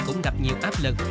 cũng gặp nhiều áp lực